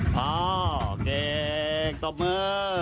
พ่อเก่งตบมือ